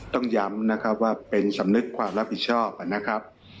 ต้องย้ำนะครับว่าเป็นสำนึกความรับผิดชอบนะครับ